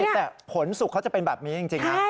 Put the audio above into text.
แต่ผลสุขเขาจะเป็นแบบนี้จริงนะ